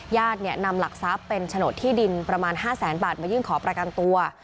นำหลักทรัพย์เป็นโฉนดที่ดินประมาณ๕แสนบาทมายื่นขอประกันตัว